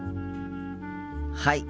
はい。